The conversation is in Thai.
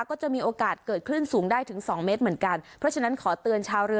ก็จะมีโอกาสเกิดคลื่นสูงได้ถึงสองเมตรเหมือนกันเพราะฉะนั้นขอเตือนชาวเรือ